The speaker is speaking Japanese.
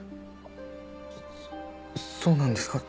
そうなんですか？